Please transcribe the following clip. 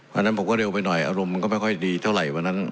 วันนั้นผมก็เร็วไปหน่อยอารมณ์มันก็ไม่ค่อยดีเท่าไหร่วันนั้น